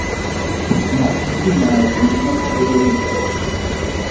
En Arxentina a economía non podía ir peor.